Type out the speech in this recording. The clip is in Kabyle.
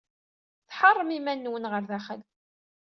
Tḥeṛṛem iman-nwen ɣer daxel.